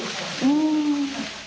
うん。